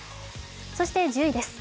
そして１０位です。